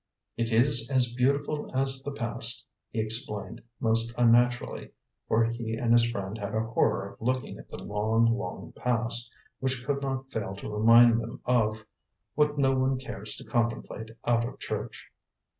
"It is as beautiful as the past," he explained most unnaturally, for he and his friend had a horror of looking at the long, long past, which could not fail to remind them of what no one cares to contemplate out of church.